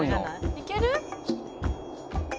「いける？」